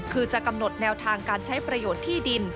คือจะกำหนดแนวทางการใช้ประโยชน์ที่ดิน